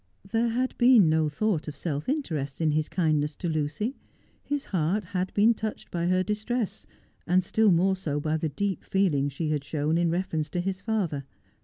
There had been no thought of self interest in his kindness to Lucy. His heart had been touched by her distress, and still more so by the deep feeling she had shown in reference to his father.